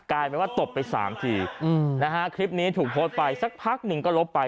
กลายเป็นว่าตบไปสามทีนะฮะคลิปนี้ถูกโพสต์ไปสักพักหนึ่งก็ลบไป